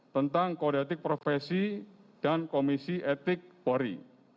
tentang kodetik profesi dan komisi etik pori